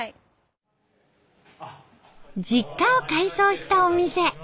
実家を改装したお店。